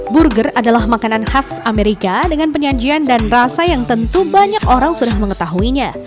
burger adalah makanan khas amerika dengan penyajian dan rasa yang tentu banyak orang sudah mengetahuinya